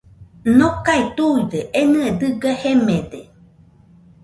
Nokae tuide enɨe dɨga jemede